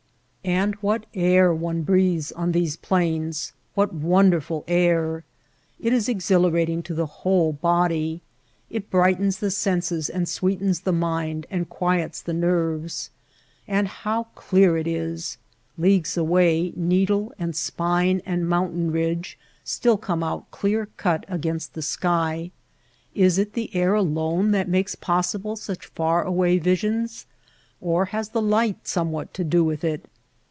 And what air one breathes on these plains — what wonderful air ! It is exhilarating to the whole body ; it brightens the senses and sweet MESAS AND FOOT HILLS 201 ens the mind and quiets the nerves. And how clear it is ! Leagues away needle and spine and mountain ridge still come out clear cut against the sky. Is it the air alone that makes possible such far away visions, or has the light somewhat to do with it